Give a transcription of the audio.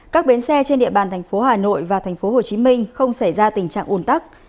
các bến xe trên địa bàn thành phố hà nội và thành phố hồ chí minh không xảy ra tình trạng ủn tắc